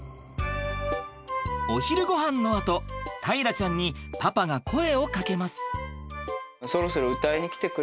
お昼ごはんのあと大樂ちゃんにパパが声をかけます。